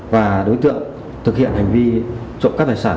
và đối tượng thực hiện hành vi trộm cắp tài sản